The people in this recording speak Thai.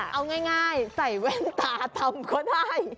เอาง่ายใส่แว่นตาทำก็ได้